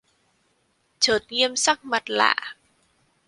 Chợt nghiêm sắc mặt lạ